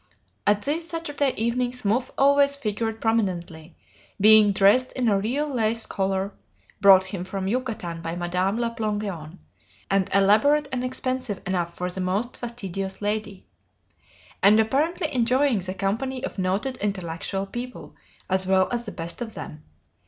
At these Saturday evenings Muff always figured prominently, being dressed in a real lace collar (brought him from Yucatan by Madame la Plongeon, and elaborate and expensive enough for the most fastidious lady), and apparently enjoying the company of noted intellectual people as well as the best of them.